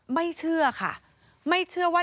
ไม่เชื่อค่ะไม่เชื่อว่า